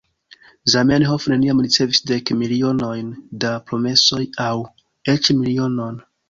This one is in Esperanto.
Zamenhof neniam ricevis dek milionojn da promesoj, aŭ eĉ milionon.